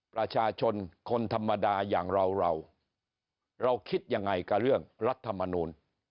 ประชาชนคนธรรมดาอย่างเราเราคิดยังไงกับเรื่องรัฐมนูล